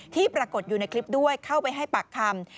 ปรากฏอยู่ในคลิปด้วยเข้าไปให้ปากคำ